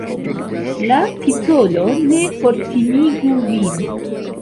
La titolo ne fortimigu vin.